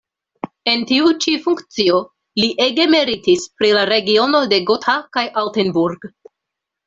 En tiu ĉi funkcio li ege meritis pri la regiono de Gotha kaj Altenburg.